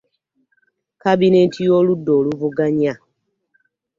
Kabineeti y'oludda oluvuganya.